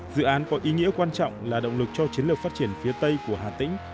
dự án có ý nghĩa quan trọng là động lực cho chiến lược phát triển phía tây của hà tĩnh